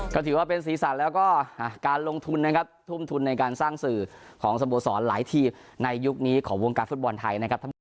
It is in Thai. ก็ถือว่าเป็นสีสันแล้วก็การลงทุนนะครับทุ่มทุนในการสร้างสื่อของสโมสรหลายทีมในยุคนี้ของวงการฟุตบอลไทยนะครับ